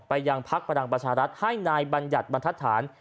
ไปยังพรรคประดังประชารัฐให้นายบัญญัติบรรทธรรม